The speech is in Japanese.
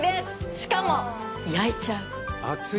しかも、焼いちゃう！